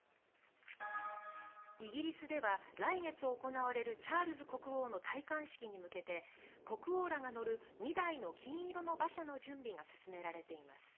イギリスでは、来月行われるチャールズ国王の戴冠式に向けて国王らが乗る２台の金色の馬車の準備が進められています。